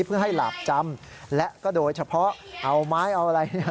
เพื่อให้หลาบจำและก็โดยเฉพาะเอาไม้เอาอะไรเนี่ย